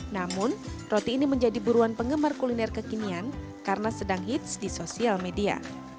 namun roti ini menjadi buruan penggemar kuliner kekinian karena sedang hits di sosial media